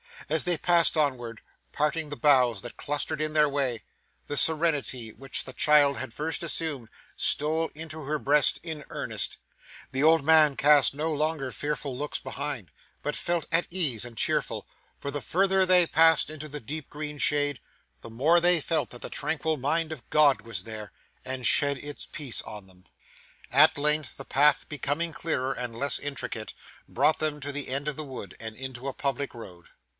As they passed onward, parting the boughs that clustered in their way, the serenity which the child had first assumed, stole into her breast in earnest; the old man cast no longer fearful looks behind, but felt at ease and cheerful, for the further they passed into the deep green shade, the more they felt that the tranquil mind of God was there, and shed its peace on them. At length the path becoming clearer and less intricate, brought them to the end of the wood, and into a public road.